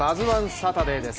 サタデーです。